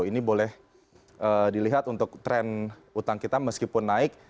ini boleh dilihat untuk tren utang kita meskipun naik